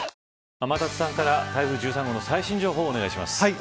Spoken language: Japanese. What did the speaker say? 天達さんから台風１３号の最新情報をお願いします。